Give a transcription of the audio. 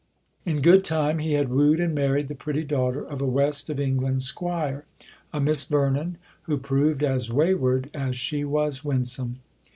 In good time he had wooed and married the pretty daughter of a West of England squire, a Miss Vernon, who proved as wayward as she was winsome.